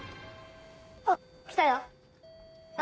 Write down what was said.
あっ来たよ。